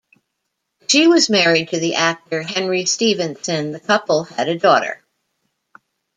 She was married to the actor Henry Stephenson; the couple had a daughter.